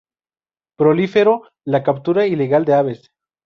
Proliferó la captura ilegal de aves.